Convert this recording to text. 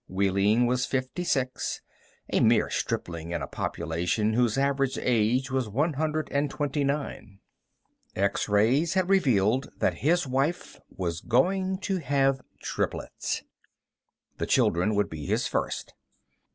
Wehling was fifty six, a mere stripling in a population whose average age was one hundred and twenty nine. X rays had revealed that his wife was going to have triplets. The children would be his first.